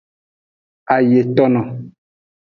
Ayetono.